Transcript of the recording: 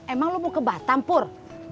emang lo mau ke batam pur